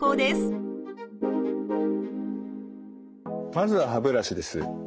まず歯ブラシです。